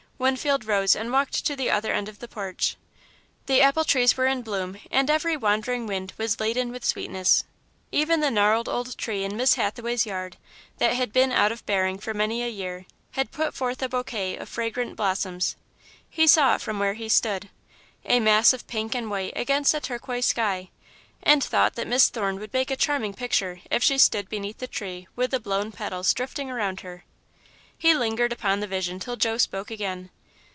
Winfield rose and walked to the other end of the porch. The apple trees were in bloom, and every wandering wind was laden with sweetness. Even the gnarled old tree in Miss Hathaway's yard, that had been out of bearing for many a year, had put forth a bough of fragrant blossoms. He saw it from where he stood; a mass of pink and white against the turquoise sky, and thought that Miss Thorne would make a charming picture if she stood beneath the tree with the blown petals drifting around her. He lingered upon the vision till Joe spoke again.